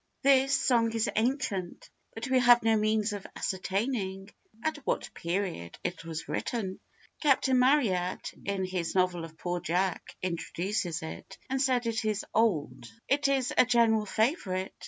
[THIS song is ancient, but we have no means of ascertaining at what period it was written. Captain Marryat, in his novel of Poor Jack, introduces it, and says it is old. It is a general favourite.